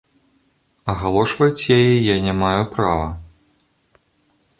Агалошваць яе я не маю права.